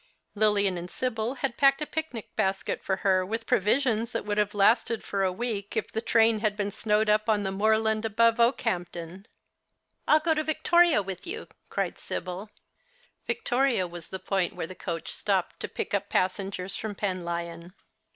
Lilian and Sibyl had packed a picnic basket for her with provisions that would have lasted for a week if The Christmas Hirelings. 61 the train had been snowed np on the moorland above Okehampton. " I'll go to Victoria with yon," cried Sibyl. Victoria was the point where the coach stopped to pick up passengers from Penlyon.